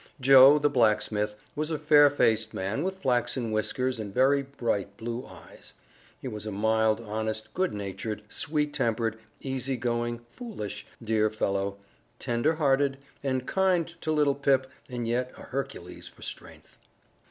Joe, the blacksmith, was a fair faced man with flaxen whiskers and very bright blue eyes. He was a mild, honest, good natured, sweet tempered, easy going, foolish, dear fellow, tender hearted and kind to little Pip and yet a Hercules for strength.